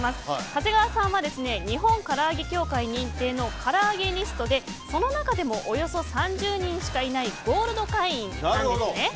長谷川さんは日本唐揚協会認定のカラアゲニストで、その中でもおよそ３０人しかいないゴールド会員なんですね。